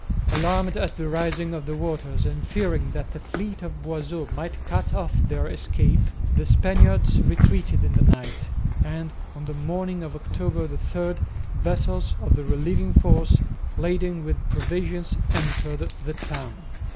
Alarmed at the rising of the waters and fearing that the fleet of Boisot might cut off their escape, the Spaniards retreated in the night; and on the morning of October 3 the vessels of the relieving force, laden with provisions, entered the town.